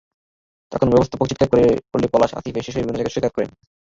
তখন ব্যবস্থাপক চিৎকার করলে পলাশ, আসিফ এসে শরীরের বিভিন্ন জায়গায় ছুরিকাঘাত করেন।